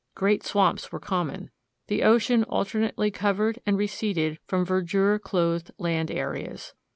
Great swamps were common. The ocean alternately covered and receded from verdure clothed land areas.